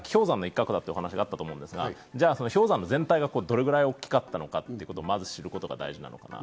氷山の一角という話がありましたが、氷山の全体がどれくらい大きかったのかということをまず知ることが大事。